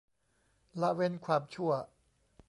ละเว้นความชั่ว